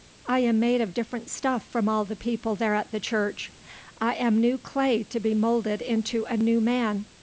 I am made of different stuff from all the people there at the church. I am new clay to be moulded into a new man.